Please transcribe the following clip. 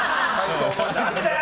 何でだよ！